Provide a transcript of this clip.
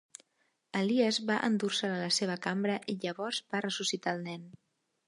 Elies va endur-se'l a la seva cambra i llavors va ressuscitar el nen.